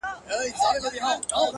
د ژوند په څو لارو كي،